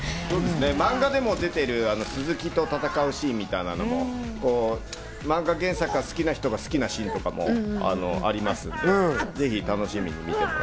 漫画でも出てる鈴木と戦うシーンみたいなの、漫画原作が好きな人が好きなシーンとかもあります。